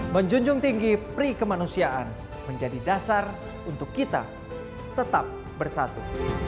menjunjung tinggi prikemanusiaan menjadi dasar untuk kita tetap bersatu